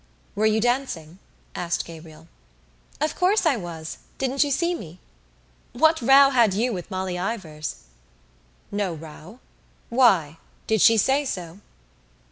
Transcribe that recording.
"Were you dancing?" asked Gabriel. "Of course I was. Didn't you see me? What row had you with Molly Ivors?" "No row. Why? Did she say so?"